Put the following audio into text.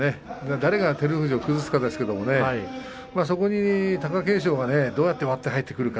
誰が照ノ富士を崩すかですけれどそこに貴景勝がどうやって割って入ってくるか。